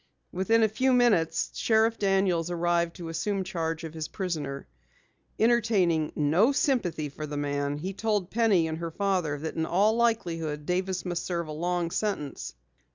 Within a few minutes Sheriff Daniels arrived to assume charge of his prisoner. Entertaining no sympathy for the man, he told Penny and her father that in all likelihood Davis must serve a long sentence.